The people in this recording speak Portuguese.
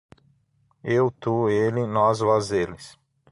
Eu, tu, ele, nós, vós, eles